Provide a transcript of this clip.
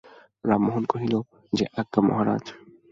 রামমোহন কহিল, যে আজ্ঞা মহারাজ।